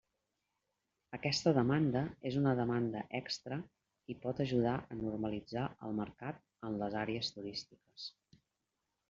Aquesta demanda és una demanda extra i pot ajudar a normalitzar el mercat en les àrees turístiques.